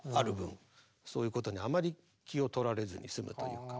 そういうことにあまり気をとられずに済むというか。